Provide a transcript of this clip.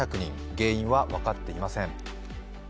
原因は分かっていません。